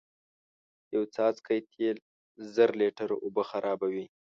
یو څاڅکی تیل زر لیتره اوبه خرابوی